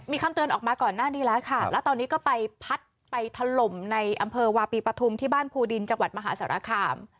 มีคำเตือนออกมาก่อนหน้านี้แล้วค่ะแล้วตอนนี้ก็ไปพัดไปถล่มในอำเภอวาปีปฐุมที่บ้านภูดินจังหวัดมหาสารคาม